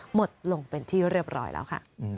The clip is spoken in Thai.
หมดลงเป็นที่เรียบร้อยแล้วค่ะ